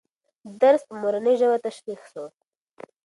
درس په مورنۍ ژبه تشریح سو.